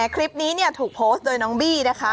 คลิปนี้ถูกโพสต์โดยน้องบี้นะคะ